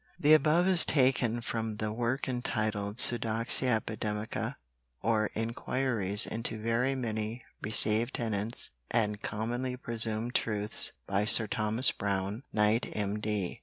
The above is taken from the work entitled "Pseudoxia Epidemica" or Enquiries into very many Received Tenets and Commonly Presumed Truths by Sir Thomas Brown, Knight M.D.